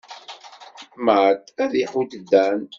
Matt ad iḥudd Dan.